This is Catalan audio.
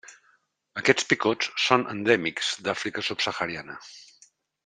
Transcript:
Aquests picots són endèmics d'Àfrica subsahariana.